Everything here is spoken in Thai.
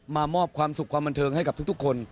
มอบความสุขความบันเทิงให้กับทุกคน